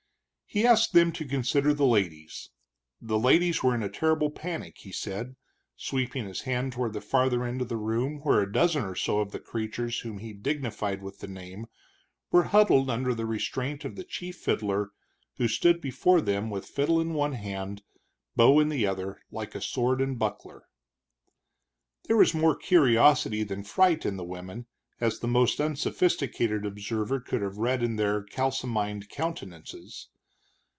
He asked them to consider the ladies. The ladies were in a terrible panic, he said, sweeping his hand toward the farther end of the room where a dozen or so of the creatures whom he dignified with the name were huddled under the restraint of the chief fiddler, who stood before them with fiddle in one hand, bow in the other, like sword and buckler. There was more curiosity than fright in the women, as the most unsophisticated observer could have read in their kalsomined countenances.